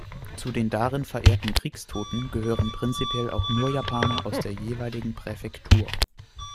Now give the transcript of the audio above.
Zu den darin verehrten Kriegstoten gehörten prinzipiell auch nur Japaner aus der jeweiligen Präfektur.